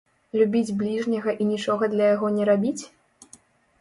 Любіць бліжняга і нічога для яго не рабіць?